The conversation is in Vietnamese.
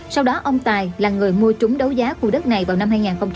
sau đó ông tài là người mua trúng đấu giá khu đất này vào năm hai nghìn một mươi